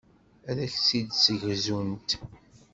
Ad ak-tt-id-ssegzunt.